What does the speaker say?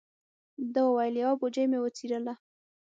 ده و ویل: یوه بوجۍ مې وڅیرله.